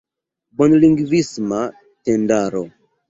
bonlingvisma tendaro.